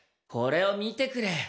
これを見てくれ。